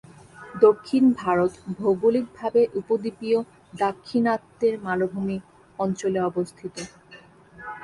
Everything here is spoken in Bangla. দক্ষিণ ভারত ভৌগলিকভাবে উপদ্বীপীয় দাক্ষিণাত্যের মালভূমি অঞ্চলে অবস্থিত।